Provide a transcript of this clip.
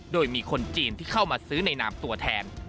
โดยมีคนจีนที่เข้ามาซื้อในนามตัวแทน